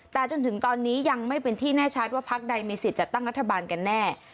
แต่จนถึงตอนนี้ยังไม่เป็นที่แน่ชัดว่าพักใดมีสิทธิ์จัดตั้งรัฐบาลกันแน่